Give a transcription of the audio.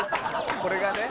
これがね。